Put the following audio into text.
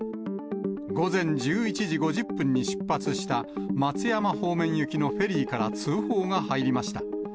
午前１１時５０分に出発した松山方面行きのフェリーから通報が入りました。